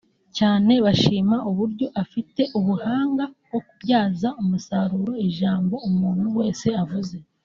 cyane bashima uburyo afite ubuhanga bwo kubyaza umusaruro ijambo umuntu wese avuze